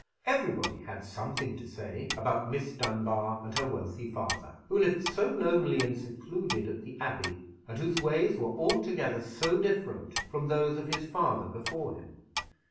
Everybody had something to say about Miss Dunbar and her wealthy father, who lived so lonely and secluded at the Abbey, and whose ways were altogether so different from those of his father before him.